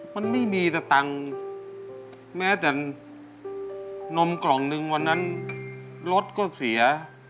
มันไม่มีสตังค์แม้แต่นมกล่องหนึ่งวันนั้นรถก็เสีย